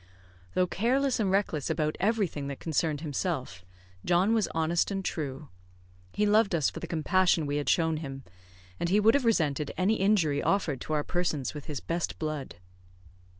Though careless and reckless about everything that concerned himself, John was honest and true. He loved us for the compassion we had shown him; and he would have resented any injury offered to our persons with his best blood.